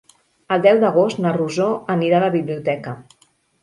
El deu d'agost na Rosó anirà a la biblioteca.